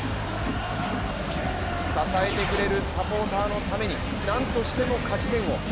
支えてくれるサポーターのためになんとしても勝ち点を。